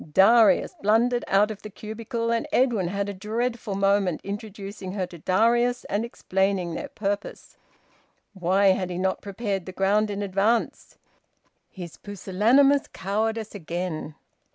Darius blundered out of the cubicle and Edwin had a dreadful moment introducing her to Darius and explaining their purpose. Why had he not prepared the ground in advance? His pusillanimous cowardice again!